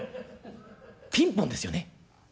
ピンポンですよね？